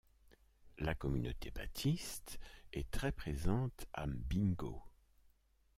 La communauté baptiste est très présente à Mbingo.